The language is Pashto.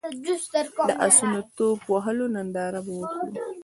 د اسونو ټوپ وهلو ننداره به وکړو.